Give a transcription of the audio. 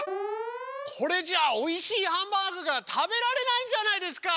これじゃあおいしいハンバーグが食べられないじゃないですか！